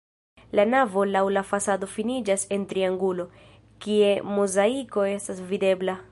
La navo laŭ la fasado finiĝas en triangulo, kie mozaiko estas videbla.